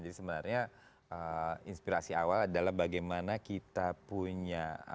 jadi sebenarnya inspirasi awal adalah bagaimana kita punya